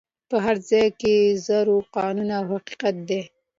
په هر ځای کي زور قانون او حقیقت دی